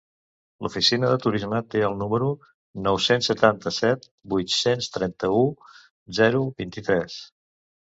L'Oficina de Turisme té el número nou-cents setanta-set vuit-cents trenta-u zero vint-i-tres.